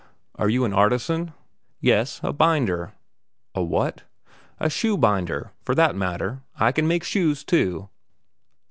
"Are you an artisan?" "Yes; a binder." "A what?" "A shoe binder; for that matter, I can make shoes too."